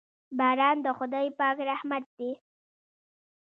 باران د خداے پاک رحمت دے